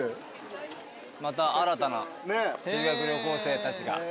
また新たな修学旅行生たちが。